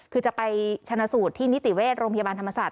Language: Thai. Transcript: คือจะไปชนะสูตรที่นิติเวชโรงพยาบาลธรรมศาสต